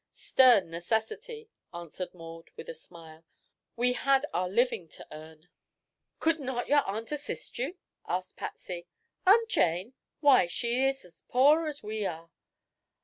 "Stern necessity," answered Maud with a smile. "We had our living to earn." "Could not your aunt assist you?" asked Patsy. "Aunt Jane? Why, she is as poor as we are."